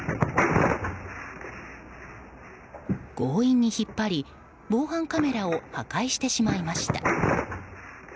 強引に引っ張り、防犯カメラを破壊してしまいました。